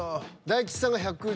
［大吉さんが１１７］